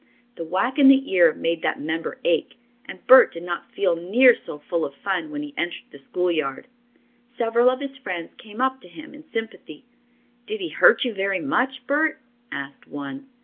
The whack in the ear made that member ache, and Bert did not feel near so full of fun when he entered the schoolyard. Several of his friends came up to him in sympathy. "Did he hurt you very much, Bert?" asked one.